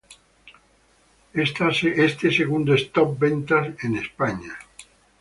Este segundo es top ventas en España.